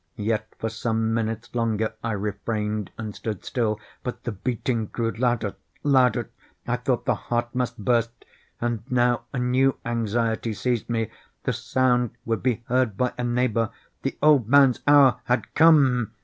Yet, for some minutes longer I refrained and stood still. But the beating grew louder, louder! I thought the heart must burst. And now a new anxiety seized me—the sound would be heard by a neighbour! The old man's hour had come!